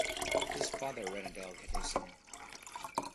His father ran a delicatessen.